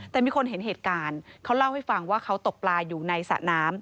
แต่มีคนเห็นเหตุการณ์เขาเล่าให้ฟังว่าเขาตกปลาอยู่ในสระน้ำ